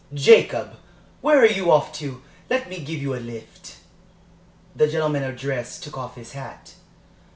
"Jacob, where are you off to? Let me give you a lift?" The gentleman addressed took off his hat.